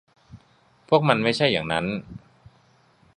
พวกมันไม่ใช่อย่างนั้น